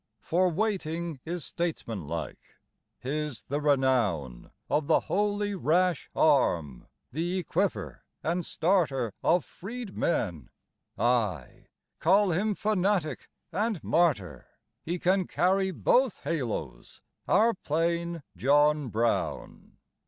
For waiting is statesmanlike; his the renown Of the holy rash arm, the equipper and starter Of freedmen; aye, call him fanatic and martyr: He can carry both halos, our plain John Brown.